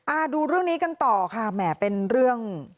ดูเรื่องนี้กันต่อค่ะแหมเป็นเรื่อง